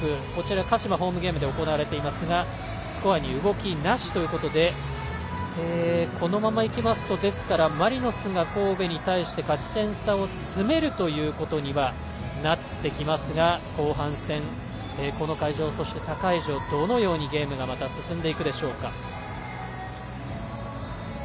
鹿島のホームゲームですがスコアに動きなしということでこのままいきますとですからマリノスが神戸に対して勝ち点差を詰める形になってきますが後半戦、この会場そして他会場、どのようにゲームが進んでいくでしょうか。